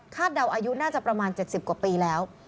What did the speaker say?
เดาอายุน่าจะประมาณ๗๐กว่าปีแล้ว